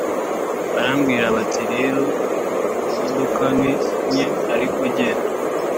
Barambwira bati rero imodoka ni nke ariko genda